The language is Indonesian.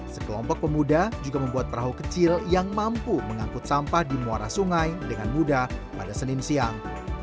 sekelompok pemuda juga membuat perahu kecil yang mampu mengangkut sampah di muara sungai dengan mudah pada senin siang